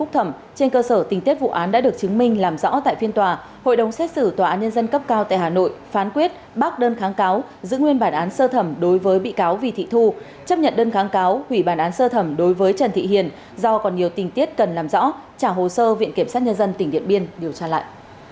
trên cơ sở tình tiết vụ án đã được chứng minh làm rõ tại phiên tòa hội đồng xét xử tòa án nhân dân cấp cao tại hà nội phán quyết bác đơn kháng cáo giữ nguyên bản án sơ thẩm đối với bị cáo vì thị thu chấp nhận đơn kháng cáo hủy bản án sơ thẩm đối với trần thị hiền do còn nhiều tình tiết cần làm rõ trả hồ sơ viện kiểm sát nhân dân tỉnh điện biên điều tra lại